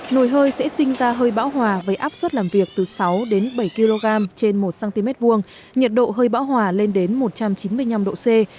nồi hơi sẽ sinh ra hơi bão hòa với áp suất làm việc từ sáu đến bảy kg trên một cm hai nhiệt độ hơi bão hòa lên đến một trăm chín mươi năm độ c